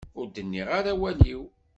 Ur d-nniɣ ara awal-iw.